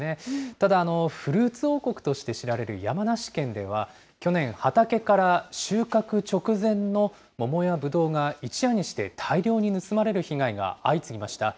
ただフルーツ王国として知られる山梨県では、去年、畑から収穫直前の桃やぶどうが一夜にして大量に盗まれる被害が相次ぎました。